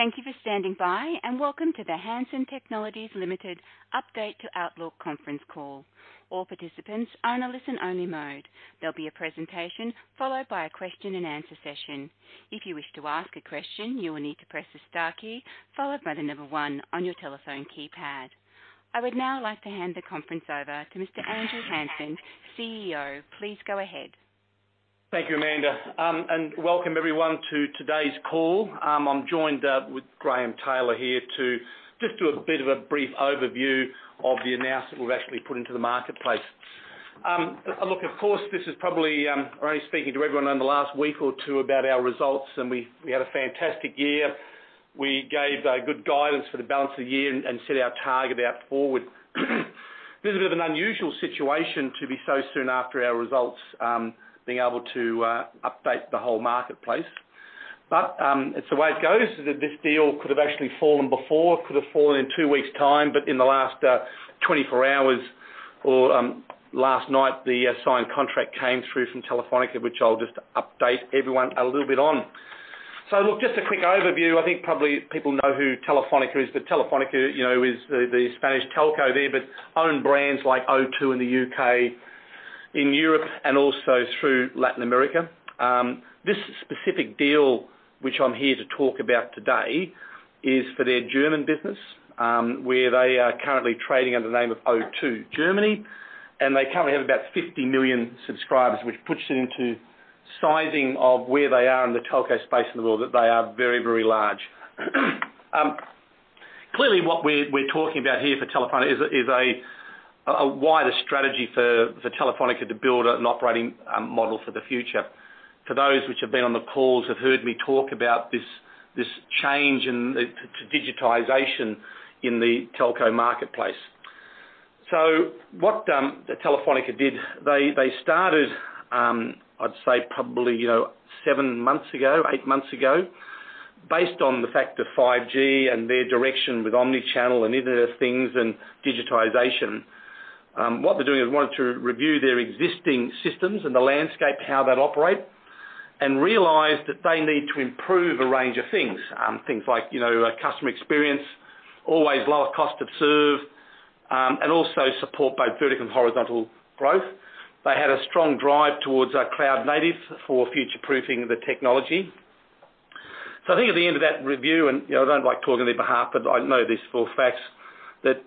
Welcome to the Hansen Technologies Limited Update to Outlook conference call. I would now like to hand the conference over to Mr. Andrew Hansen, CEO. Please go ahead. Thank you, Amanda. Welcome everyone to today's call. I'm joined with Graeme Taylor here to just do a bit of a brief overview of the announcement we've actually put into the marketplace. Look, of course, this is probably only speaking to everyone in the last week or two about our results. We had a fantastic year. We gave good guidance for the balance of the year. Set our target out forward. This is a bit of an unusual situation to be so soon after our results, being able to update the whole marketplace. It's the way it goes. This deal could've actually fallen before, could've fallen in two weeks' time. In the last 24 hours or last night, the signed contract came through from Telefónica, which I'll just update everyone a little bit on. Look, just a quick overview. I think probably people know who Telefónica is, but Telefónica is the Spanish telco there, own brands like O2 in the U.K., in Europe, and also through Latin America. This specific deal, which I'm here to talk about today, is for their German business, where they are currently trading under the name of O2 Germany. They currently have about 50 million subscribers, which puts it into sizing of where they are in the telco space in the world, that they are very, very large. Clearly, what we're talking about here for Telefónica is a wider strategy for Telefónica to build an operating model for the future. For those which have been on the calls have heard me talk about this change to digitization in the telco marketplace. What Telefónica did, they started, I'd say probably seven months ago, eight months ago, based on the fact of 5G and their direction with omnichannel and Internet of Things and digitization. What they're doing is wanting to review their existing systems and the landscape, how that operate, and realized that they need to improve a range of things. Things like customer experience, always lower cost to serve, and also support both vertical and horizontal growth. They had a strong drive towards cloud native for future-proofing the technology. I think at the end of that review, and I don't like talking on their behalf, but I know this for a fact, that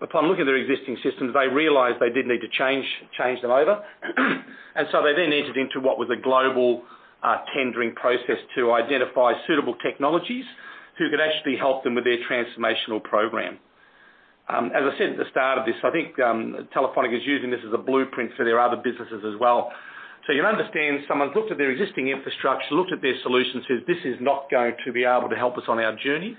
upon looking at their existing systems, they realized they did need to change them over. They then entered into what was a global tendering process to identify suitable technologies who could actually help them with their transformational program. As I said at the start of this, I think Telefónica is using this as a blueprint for their other businesses as well. You can understand someone's looked at their existing infrastructure, looked at their solutions, says, "This is not going to be able to help us on our journey.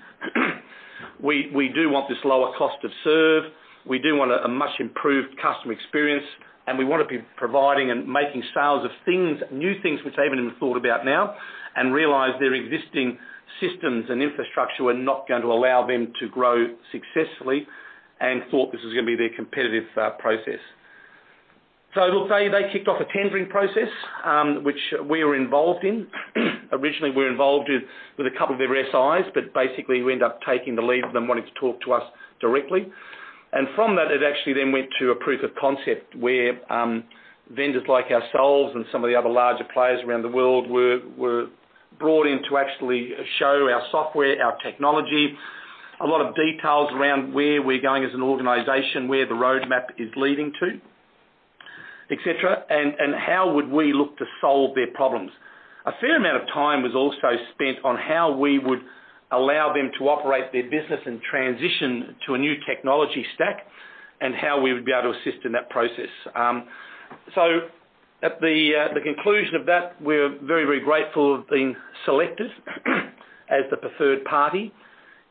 We do want this lower cost to serve. We do want a much improved customer experience, and we want to be providing and making sales of things, new things which they haven't even thought about now," and realized their existing systems and infrastructure were not going to allow them to grow successfully and thought this was going to be their competitive process. Look, they kicked off a tendering process, which we were involved in. Originally, we were involved with a couple of their SIs, but basically, we end up taking the lead and them wanting to talk to us directly. From that, it actually then went to a proof of concept where vendors like ourselves and some of the other larger players around the world were brought in to actually show our software, our technology, a lot of details around where we're going as an organization, where the roadmap is leading to, et cetera, and how would we look to solve their problems. A fair amount of time was also spent on how we would allow them to operate their business and transition to a new technology stack and how we would be able to assist in that process. At the conclusion of that, we're very, very grateful of being selected as the preferred party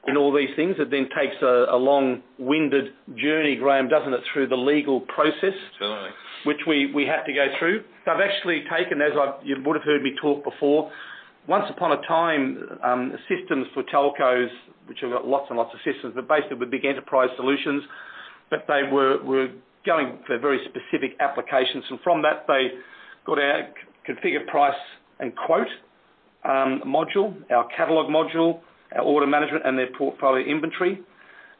in all these things. It then takes a long-winded journey, Graeme, doesn't it, through the legal process. Certainly which we have to go through. I've actually taken, as you would have heard me talk before, once upon a time, systems for telcos, which have got lots and lots of systems, but basically, were big enterprise solutions. They were going for very specific applications. From that, they got our configure price and quote module, our catalog module, our order management, and their portfolio inventory.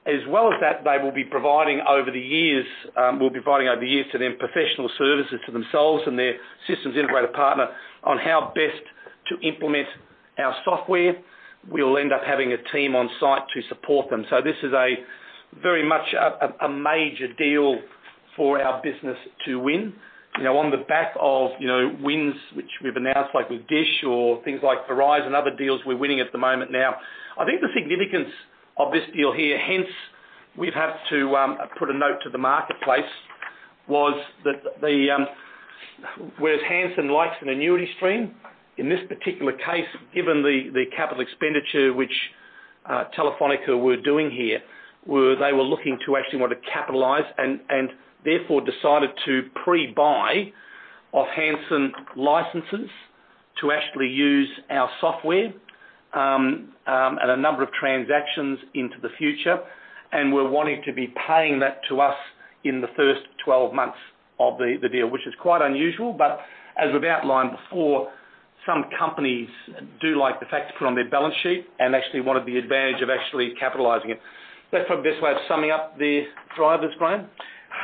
As well as that, they will be providing over the years to them, professional services to themselves and their systems integrator partner on how best to implement our software. We'll end up having a team on-site to support them. This is a very much a major deal for our business to win. On the back of wins which we've announced, like with Dish or things like Verizon, other deals we're winning at the moment now. I think the significance of this deal here, hence we've had to put a note to the marketplace, was that whereas Hansen likes an annuity stream, in this particular case, given the capital expenditure which Telefónica were doing here, they were looking to actually want to capitalize and therefore decided to pre-buy off Hansen licenses to actually use our software, and a number of transactions into the future. Were wanting to be paying that to us in the first 12 months of the deal, which is quite unusual. As we've outlined before, some companies do like the fact to put on their balance sheet and actually wanted the advantage of actually capitalizing it. That's probably the best way of summing up the drivers, Graeme?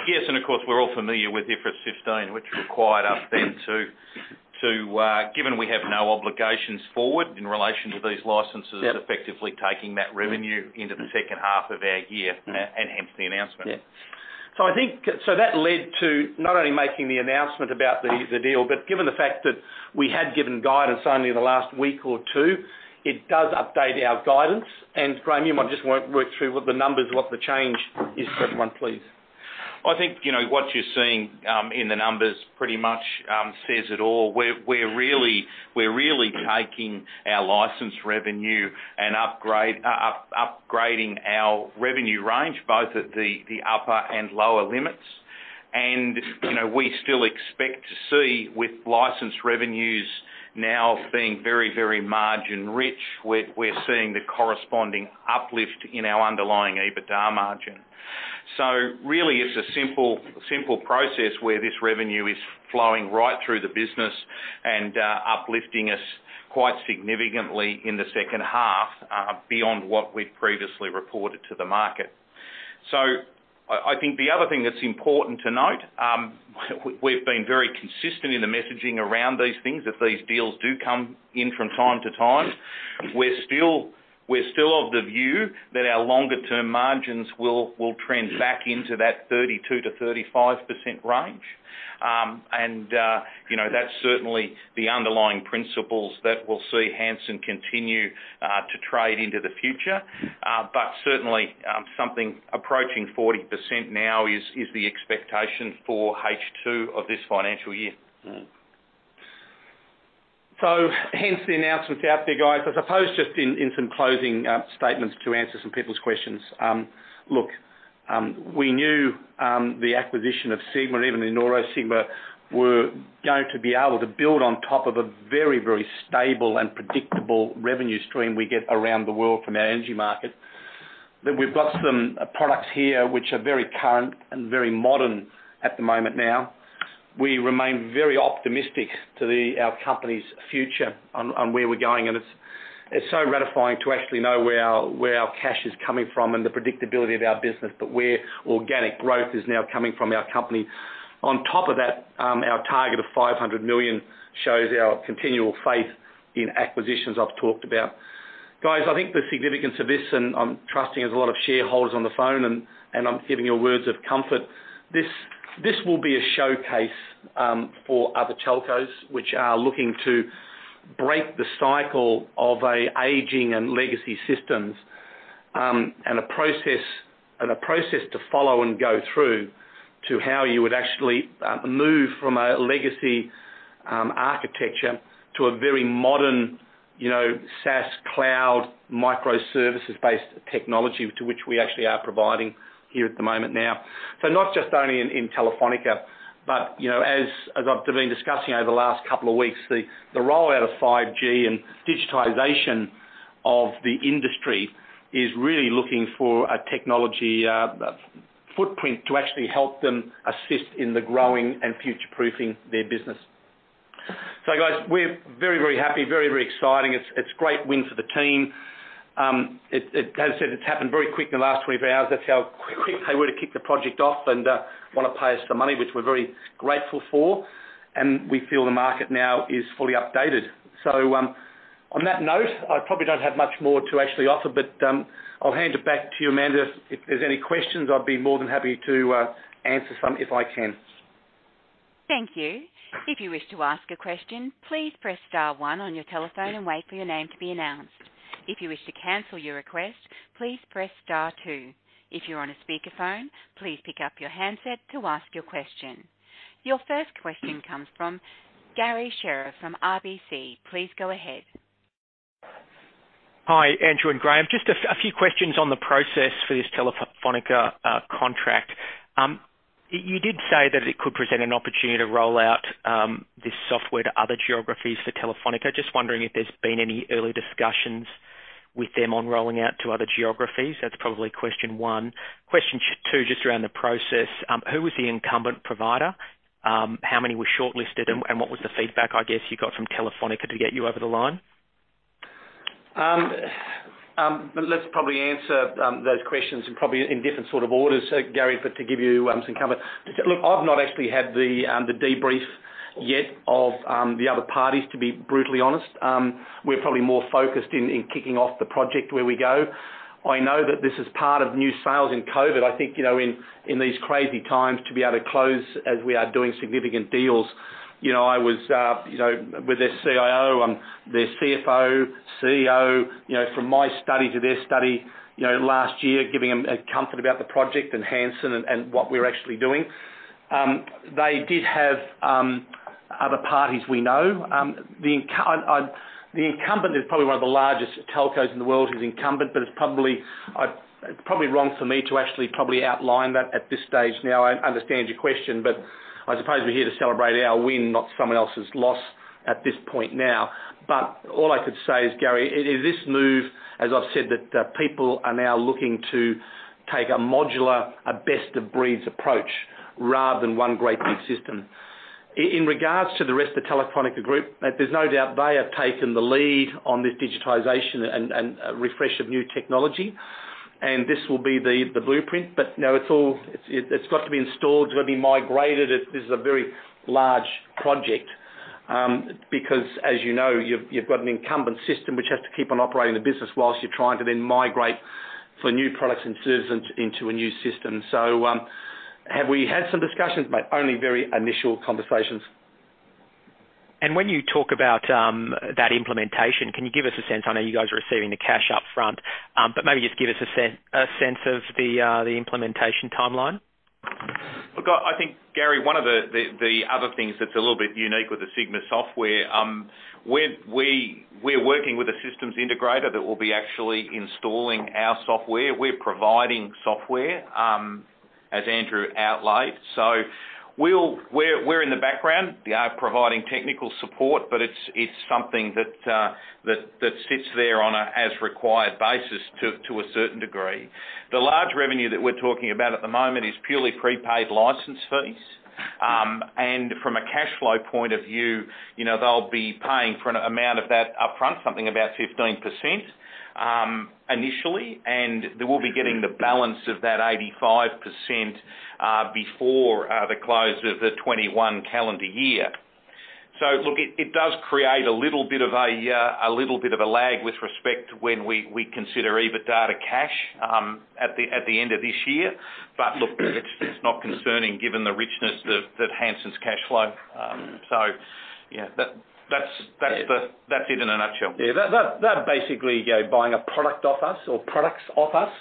Yes, of course, we're all familiar with IFRS 15, which required us then to, given we have no obligations forward in relation to these licenses. Yeah effectively taking that revenue into the second half of our year, and hence the announcement. Yeah. That led to not only making the announcement about the deal, but given the fact that we had given guidance only in the last week or two, it does update our guidance. Graeme, you might just work through what the numbers, what the change is for everyone, please. I think what you're seeing in the numbers pretty much says it all. We're really taking our license revenue and upgrading our revenue range, both at the upper and lower limits. We still expect to see with license revenues now being very, very margin rich, we're seeing the corresponding uplift in our underlying EBITDA margin. Really it's a simple process where this revenue is flowing right through the business and uplifting us quite significantly in the second half beyond what we'd previously reported to the market. I think the other thing that's important to note, we've been very consistent in the messaging around these things. If these deals do come in from time to time, we're still of the view that our longer-term margins will trend back into that 32%-35% range. That's certainly the underlying principles that will see Hansen continue to trade into the future. Certainly, something approaching 40% now is the expectation for H2 of this financial year. Hence the announcement's out there, guys. I suppose just in some closing statements to answer some people's questions. Look, we knew the acquisition of Sigma Systems, even Enoro Sigma Systems, were going to be able to build on top of a very, very stable and predictable revenue stream we get around the world from our energy market. That we've got some products here which are very current and very modern at the moment now. We remain very optimistic to our company's future on where we're going, and it's so gratifying to actually know where our cash is coming from and the predictability of our business, but where organic growth is now coming from our company. On top of that, our target of 500 million shows our continual faith in acquisitions I've talked about. Guys, I think the significance of this, and I'm trusting there's a lot of shareholders on the phone and I'm giving you words of comfort. This will be a showcase for other telcos which are looking to break the cycle of aging and legacy systems. A process to follow and go through to how you would actually move from a legacy architecture to a very modern SaaS cloud microservices-based technology to which we actually are providing here at the moment now. Not just only in Telefónica, but as I've been discussing over the last couple of weeks, the rollout of 5G and digitization of the industry is really looking for a technology footprint to actually help them assist in the growing and future-proofing their business. Guys, we're very, very happy, very, very exciting. It's a great win for the team. As I said, it's happened very quick in the last 24 hours. That's how quick they were to kick the project off and want to pay us the money, which we're very grateful for. We feel the market now is fully updated. On that note, I probably don't have much more to actually offer, but I'll hand it back to you, Amanda. If there's any questions, I'd be more than happy to answer some if I can. Thank you. If you wish to ask a question, please press star one on your telephone and wait for your name to be announced. If you wish to cancel your request, please press star two. If you are on a speakerphone, please pick up your handset to ask your question. Your first question comes from Garry Sherriff from RBC. Please go ahead. Hi, Andrew and Graeme. Just a few questions on the process for this Telefónica contract. You did say that it could present an opportunity to roll out this software to other geographies for Telefónica. Just wondering if there's been any early discussions with them on rolling out to other geographies. That's probably question one. Question two, just around the process. Who was the incumbent provider? How many were shortlisted and what was the feedback, I guess, you got from Telefónica to get you over the line? Let's probably answer those questions in different sort of orders, Garry, to give you some comfort. Look, I've not actually had the debrief yet of the other parties, to be brutally honest. We're probably more focused in kicking off the project where we go. I know that this is part of new sales in COVID. I think, in these crazy times to be able to close as we are doing significant deals. With their CIO, their CFO, CEO, from my study to their study last year, giving them comfort about the project and Hansen and what we're actually doing. They did have other parties we know. The incumbent is probably one of the largest telcos in the world, who's incumbent, it's probably wrong for me to actually outline that at this stage now. I understand your question, I suppose we're here to celebrate our win, not someone else's loss at this point now. All I could say is, Garry, this move, as I've said, that people are now looking to take a modular, a best-of-breed approach, rather than one great big system. In regards to the rest of Telefónica group, there's no doubt they have taken the lead on this digitization and refresh of new technology, and this will be the blueprint. No, it's got to be installed, it's got to be migrated. This is a very large project, because as you know, you've got an incumbent system, which has to keep on operating the business whilst you're trying to then migrate for new products and services into a new system. Have we had some discussions? Mate, only very initial conversations. When you talk about that implementation, can you give us a sense, I know you guys are receiving the cash up front, but maybe just give us a sense of the implementation timeline. Look, I think, Garry, one of the other things that's a little bit unique with the Sigma software, we're working with a systems integrator that will be actually installing our software. We're providing software, as Andrew outlined. We're in the background, providing technical support, but it's something that sits there on a as required basis to a certain degree. The large revenue that we're talking about at the moment is purely prepaid license fees. From a cash flow point of view, they'll be paying for an amount of that upfront, something about 15% initially, and they will be getting the balance of that 85% before the close of the 2021 calendar year. Look, it does create a little bit of a lag with respect to when we consider EBITDA to cash, at the end of this year. Look, it's not concerning given the richness of Hansen's cash flow. Yeah, that's it in a nutshell. Yeah, they're basically buying a product off us or products off us.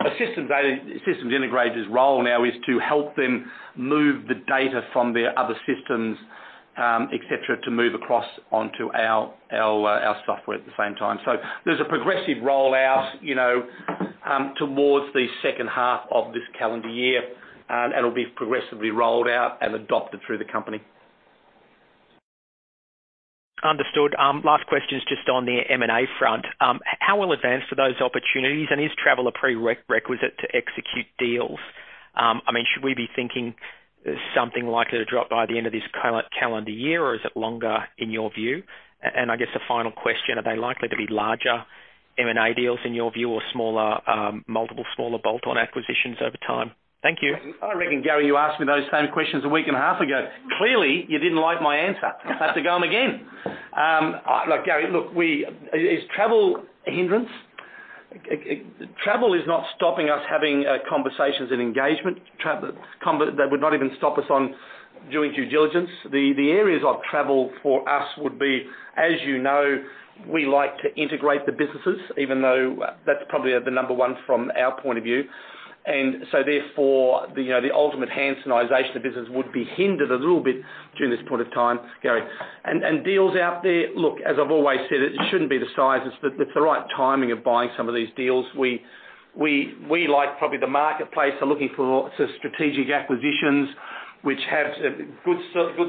A systems integrator's role now is to help them move the data from their other systems, et cetera, to move across onto our software at the same time. There's a progressive rollout towards the second half of this calendar year. It'll be progressively rolled out and adopted through the company. Understood. Last question is just on the M&A front. How well advanced are those opportunities, and is travel a prerequisite to execute deals? Should we be thinking something likely to drop by the end of this current calendar year, or is it longer in your view? I guess the final question, are they likely to be larger M&A deals in your view, or multiple smaller bolt-on acquisitions over time? Thank you. I reckon, Garry, you asked me those same questions a week and a half ago. Clearly, you didn't like my answer. I'll have to go them again. Look, Garry, is travel a hindrance? Travel is not stopping us having conversations and engagement. That would not even stop us on doing due diligence. The areas of travel for us would be, as you know, we like to integrate the businesses, even though that's probably the number one from our point of view. Therefore, the ultimate Hansenization of business would be hindered a little bit during this point of time, Garry. Deals out there, look, as I've always said, it shouldn't be the size. It's the right timing of buying some of these deals. We like probably the marketplace are looking for sort of strategic acquisitions, which have good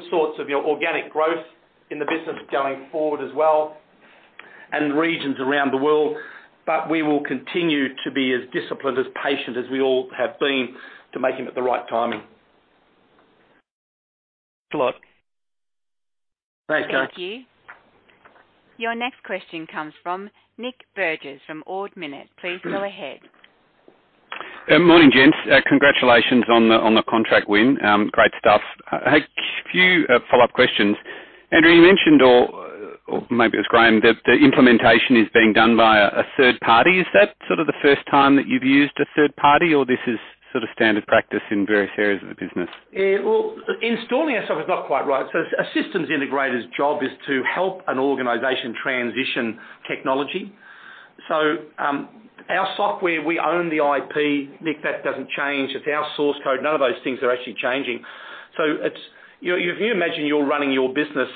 sorts of your organic growth in the business going forward as well, and regions around the world. We will continue to be as disciplined, as patient as we all have been to make them at the right timing. Thanks a lot. Thanks, Garry. Thank you. Your next question comes from Nic Burgess from Ord Minnett. Please go ahead. Morning, gents. Congratulations on the contract win. Great stuff. A few follow-up questions. Andrew, you mentioned, or maybe it was Graeme, that the implementation is being done by a third party. Is that sort of the first time that you've used a third party, or this is sort of standard practice in various areas of the business? Well, installing our software is not quite right. A systems integrator's job is to help an organization transition technology. Our software, we own the IP, Nic, that doesn't change. It's our source code. None of those things are actually changing. If you imagine you're running your business,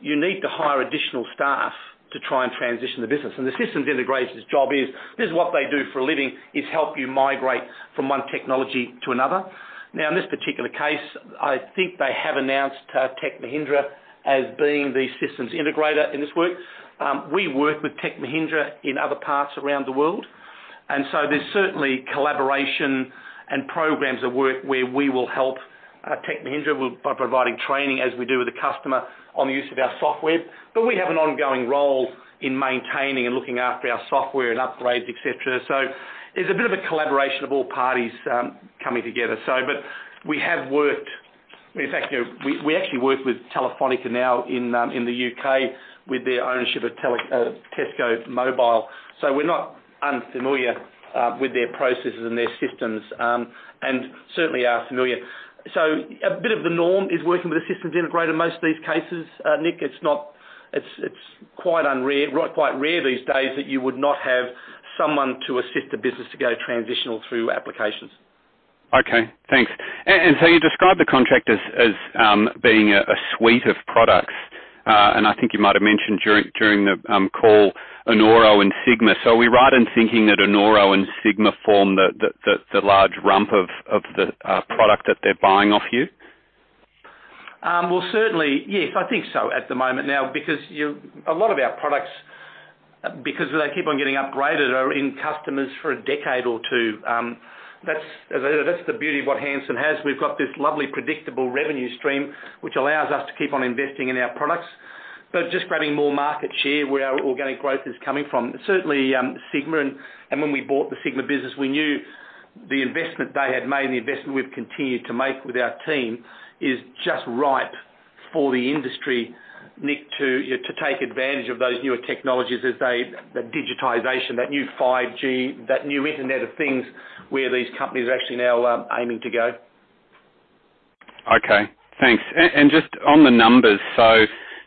you need to hire additional staff to try and transition the business. The systems integrator's job is, this is what they do for a living, is help you migrate from one technology to another. Now, in this particular case, I think they have announced Tech Mahindra as being the systems integrator in this work. We work with Tech Mahindra in other parts around the world, and so there's certainly collaboration and programs at work where we will help Tech Mahindra by providing training as we do with the customer on the use of our software. We have an ongoing role in maintaining and looking after our software and upgrades, et cetera. There's a bit of a collaboration of all parties coming together. We actually work with Telefónica now in the U.K. with their ownership of Tesco Mobile. We're not unfamiliar with their processes and their systems, and certainly are familiar. A bit of the norm is working with a systems integrator in most of these cases, Nic. It's quite rare these days that you would not have someone to assist the business to go transitional through applications. Okay, thanks. You described the contract as being a suite of products. I think you might have mentioned during the call Enoro and Sigma. Are we right in thinking that Enoro and Sigma form the large rump of the product that they're buying off you? Well, certainly, yes. I think so at the moment now, because a lot of our products, because they keep on getting upgraded, are in customers for a decade or two. That's the beauty of what Hansen has. We've got this lovely, predictable revenue stream, which allows us to keep on investing in our products. Just grabbing more market share, where our organic growth is coming from. Certainly, Sigma and when we bought the Sigma business, we knew the investment they had made and the investment we've continued to make with our team is just ripe for the industry, Nic, to take advantage of those newer technologies as the digitization, that new 5G, that new Internet of Things where these companies are actually now aiming to go. Okay. Thanks. Just on the numbers,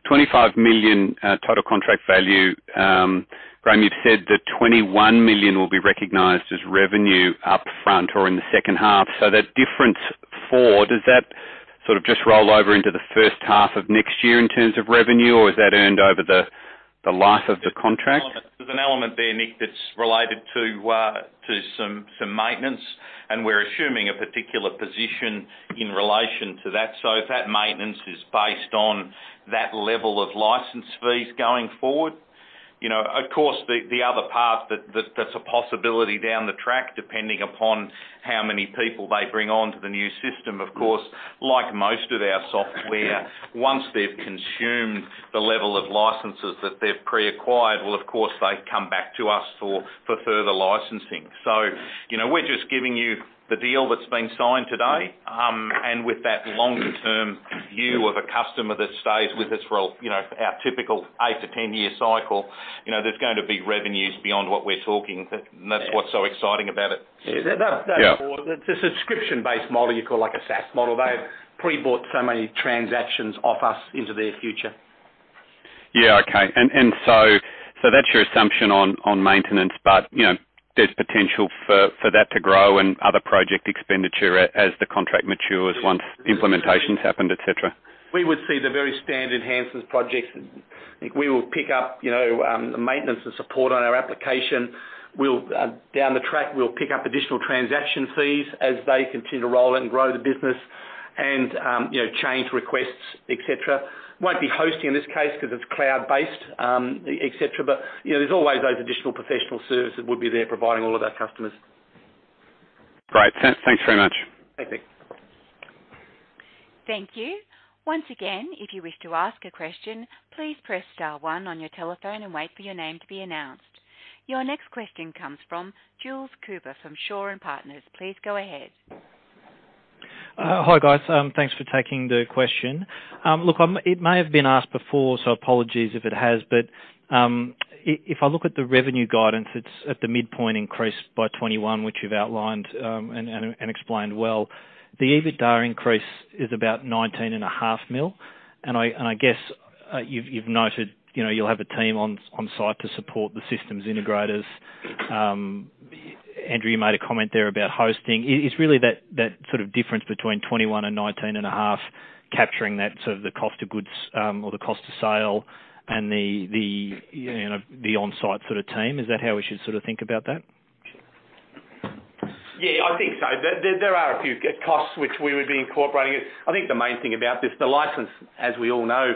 25 million total contract value. Graeme, you've said that 21 million will be recognized as revenue up front or in the second half. That difference of four, does that just roll over into the first half of next year in terms of revenue, or is that earned over the life of the contract? There's an element there, Nic, that's related to some maintenance, and we're assuming a particular position in relation to that. If that maintenance is based on that level of license fees going forward. Of course, the other part that's a possibility down the track, depending upon how many people they bring on to the new system, of course, like most of our software, once they've consumed the level of licenses that they've pre-acquired, well, of course, they come back to us for further licensing. We're just giving you the deal that's been signed today, and with that longer-term view of a customer that stays with us for our typical 8-10 year cycle, there's going to be revenues beyond what we're talking, and that's what's so exciting about it. Yeah. They've bought, it's a subscription-based model, you call like a SaaS model. They've pre-bought so many transactions off us into their future. Yeah. Okay. That's your assumption on maintenance, but there's potential for that to grow and other project expenditure as the contract matures once implementation's happened, et cetera. We would see the very standard Hansen projects. I think we will pick up maintenance and support on our application. Down the track, we'll pick up additional transaction fees as they continue to roll and grow the business and change requests, et cetera. Won't be hosting in this case because it's cloud-based, et cetera, but there's always those additional professional services we'll be there providing all of our customers. Great. Thanks very much. Thanks, Nic. Thank you. Once again, if you wish to ask a question, please press star one on your telephone and wait for your name to be announced. Your next question comes from Jules Cooper from Shaw and Partners. Please go ahead. Hi, guys. Thanks for taking the question. Look, it may have been asked before, so apologies if it has, but if I look at the revenue guidance, it's at the midpoint increased by 21, which you've outlined and explained well. The EBITDA increase is about nineteen and a half mil. I guess, you've noted you'll have a team on site to support the systems integrators. Andrew, you made a comment there about hosting. Is really that sort of difference between 21 and nineteen and a half capturing that sort of the cost of goods or the cost of sale and the onsite sort of team? Is that how we should think about that? I think so. There are a few costs which we would be incorporating. I think the main thing about this, the license, as we all know,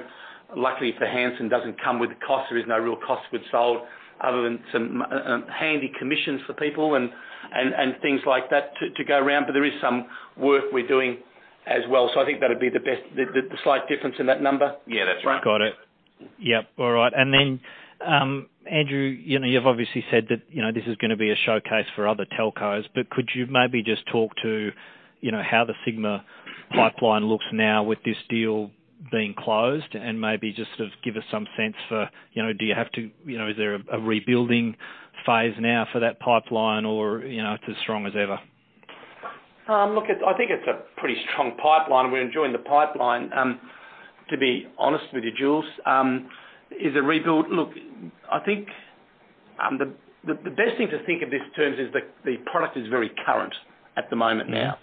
luckily for Hansen, doesn't come with a cost. There is no real cost goods sold other than some handy commissions for people and things like that to go around. There is some work we're doing as well. I think that would be the best, the slight difference in that number. Yeah, that's right. Got it. Yep, all right. Then, Andrew, you've obviously said that this is going to be a showcase for other telcos, but could you maybe just talk to how the Sigma pipeline looks now with this deal being closed? Maybe just sort of give us some sense for is there a rebuilding phase now for that pipeline or it's as strong as ever? I think it's a pretty strong pipeline. We're enjoying the pipeline. To be honest with you, Jules, is it rebuild? I think the best thing to think of these terms is the product is very current at the moment now.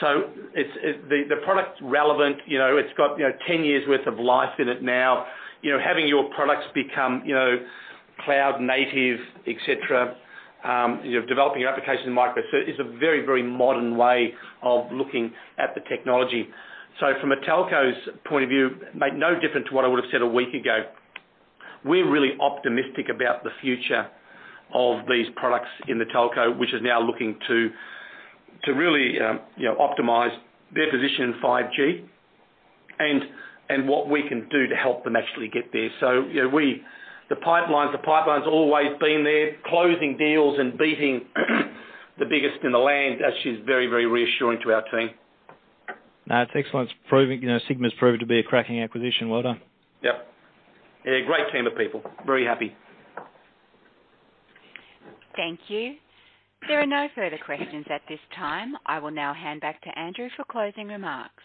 The product's relevant. It's got 10 years' worth of life in it now. Having your products become cloud native, et cetera. Developing your application in micro is a very, very modern way of looking at the technology. From a telco's point of view, make no difference to what I would have said a week ago. We're really optimistic about the future of these products in the telco, which is now looking to really optimize their position in 5G and what we can do to help them actually get there. The pipeline's always been there, closing deals and beating the biggest in the land. That is very, very reassuring to our team. No, it's excellent. Sigma's proved to be a cracking acquisition. Well done. Yep. Yeah, great team of people. Very happy. Thank you. There are no further questions at this time. I will now hand back to Andrew for closing remarks.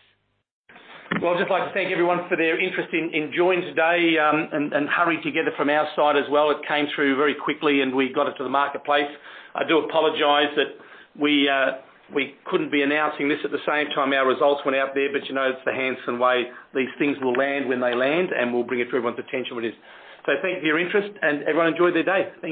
I'd just like to thank everyone for their interest in joining today and hurrying together from our side as well. It came through very quickly, and we got it to the marketplace. I do apologize that we couldn't be announcing this at the same time our results went out there, but you know it's the Hansen way. These things will land when they land, and we'll bring it to everyone's attention when it is. Thank you for your interest, and everyone enjoy their day. Thank you.